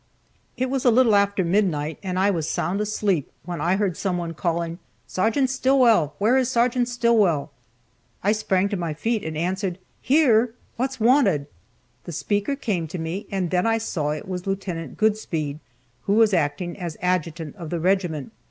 It was a little after midnight, and I was sound asleep, when I heard someone calling, "Sergeant Stillwell! Where is Sergeant Stillwell?" I sprang to my feet, and answered, "Here! What's wanted?" The speaker came to me, and then I saw that it was Lt. Goodspeed, who was acting as adjutant of the regiment.